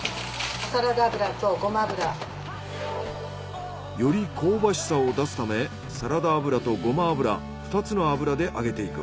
サラダ油とごま油。より香ばしさを出すためサラダ油とごま油２つの油で揚げていく。